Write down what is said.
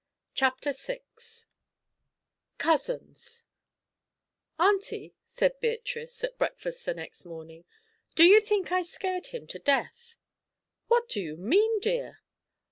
CHAPTER VI COUSINS "Aunty," said Beatrice, at breakfast the next morning, "do you think I scared him to death?" "What do you mean, dear?"